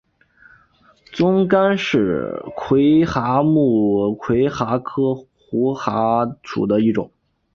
棕蚶是魁蛤目魁蛤科胡魁蛤属的一种。